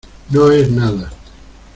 no es nada.